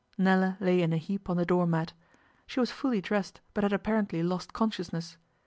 Nella lay in a heap on the door mat. She was fully dressed, but had apparently lost consciousness.